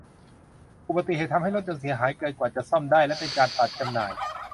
อุบัติเหตุทำให้รถยนต์เสียหายเกินกว่าจะซ่อมได้และเป็นการตัดจำหน่าย